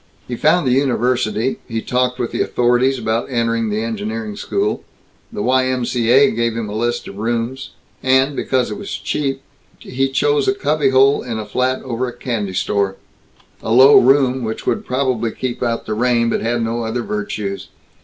He found the university; he talked with the authorities about entering the engineering school; the Y. M. C. A. gave him a list of rooms; and, because it was cheap, he chose a cubbyhole in a flat over a candy store a low room, which would probably keep out the rain, but had no other virtues.